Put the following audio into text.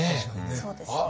そうですね。